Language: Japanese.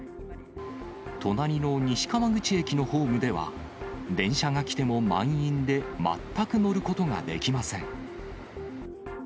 隣の西川口駅のホームでは、電車が来ても満員で、全く乗ることができません。